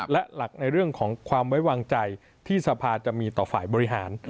และหลักในเรื่องของความไว้วางใจที่สภาจะมีต่อฝ่ายบริหาร